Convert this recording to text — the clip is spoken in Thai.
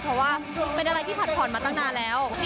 เพราะว่าเป็นอะไรที่ผัดผ่อนมาตั้งนานแล้ว